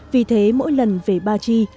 vì thế mỗi lần về ba chi